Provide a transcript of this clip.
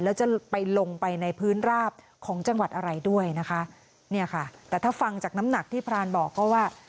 แล้วจะไปลงไปในพื้นราบของจังหวัดอะไรด้วยนะคะเนี่ยค่ะแต่ถ้าฟังจากน้ำหนักที่พรานบอกก็ว่า